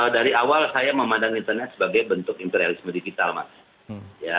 dari awal saya memandang internet sebagai bentuk imperialisme digital mas